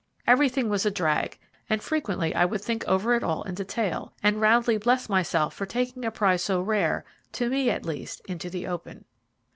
Everything was a drag, and frequently I would think over it all in detail, and roundly bless myself for taking a prize so rare, to me at least, into the open.